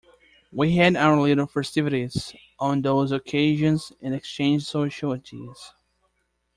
We had our little festivities on those occasions and exchanged social ideas.